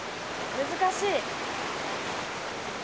難しい。